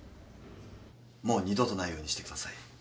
もう二度とないようにしてください。